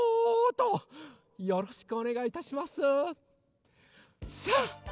よろしくおねがいいたします。さあ！